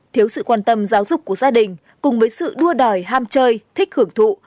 thiếu sự quan tâm giáo dục của gia đình cùng với sự đua đòi ham chơi thích hưởng thụ